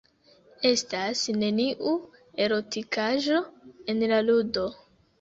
Estas neniu erotikaĵo en la ludo.